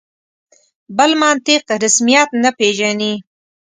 بل منطق رسمیت نه پېژني.